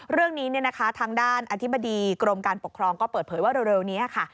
เรื่องนี้เนี่ยนะคะทางด้านอธิบดีกรมการปกครองก็เปิดเผยว่าเร็วนี้ค่ะ